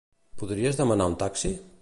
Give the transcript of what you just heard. Podries demanar un taxi?